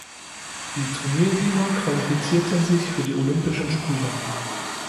Die Turniersieger qualifizierten sich für die Olympischen Spiele.